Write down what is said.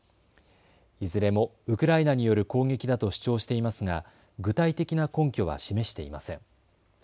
いずれもウクライナによる攻撃だと主張していますが具体的な根拠は示していません。